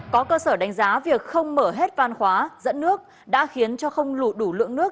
có cơ sở đánh giá việc không mở hết van khóa dẫn nước đã khiến cho không đủ đủ lượng nước